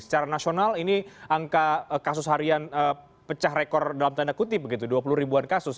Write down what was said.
secara nasional ini angka kasus harian pecah rekor dalam tanda kutip begitu dua puluh ribuan kasus